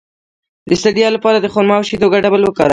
د ستړیا لپاره د خرما او شیدو ګډول وکاروئ